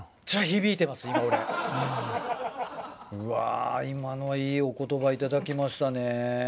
うわっ今のいいお言葉いただきましたね。